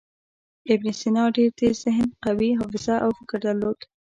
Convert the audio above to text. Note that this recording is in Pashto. ابن سینا ډېر تېز ذهن، قوي حافظه او فکر درلود.